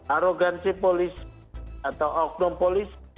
arogansi polis atau oknum polis